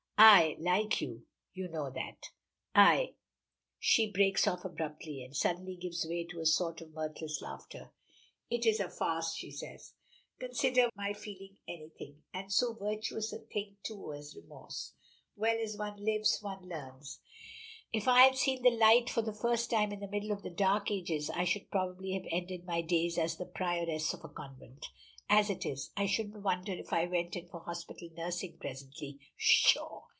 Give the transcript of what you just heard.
I like you, you know that. I " she breaks off abruptly, and suddenly gives way to a sort of mirthless laughter. "It is a farce!" she says. "Consider my feeling anything. And so virtuous a thing, too, as remorse! Well, as one lives, one learns. If I had seen the light for the first time in the middle of the dark ages, I should probably have ended my days as the prioress of a convent. As it is, I shouldn't wonder if I went in for hospital nursing presently. Pshaw!"